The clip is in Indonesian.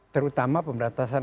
terutama pemberantasan kesehatan